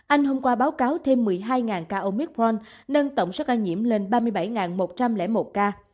anh hôm qua báo cáo thêm một mươi hai ca oicront nâng tổng số ca nhiễm lên ba mươi bảy một trăm linh một ca